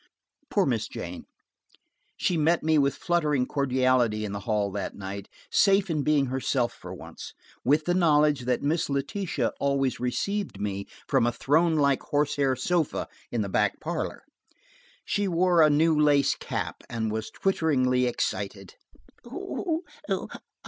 Poor Miss Jane! She met me with fluttering cordiality in the hall that night, safe in being herself for once, with the knowledge that Miss Letitia always received me from a throne like horsehair sofa in the back parlor. She wore a new lace cap, and was twitteringly excited.